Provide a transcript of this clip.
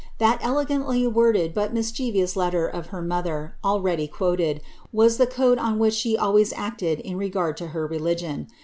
That elegantly worded but mischievous letter of her mother, aiready quoted, was the code on which she always acted in regard to her religion.